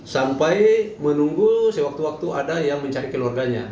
sampai menunggu sewaktu waktu ada yang mencari keluarganya